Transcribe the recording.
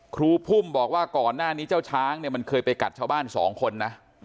พุ่มบอกว่าก่อนหน้านี้เจ้าช้างเนี่ยมันเคยไปกัดชาวบ้านสองคนนะ